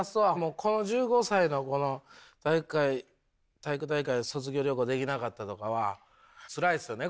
この１５歳のこの体育大会卒業旅行できなかったとかはつらいっすよね